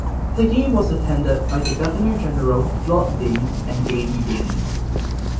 The game was attended by the Governor General Lord Byng and Lady Byng.